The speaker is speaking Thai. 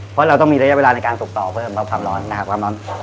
เพราะเราต้องมีระยะเวลาในการสิ่งต่อเพื่อนของความร้อน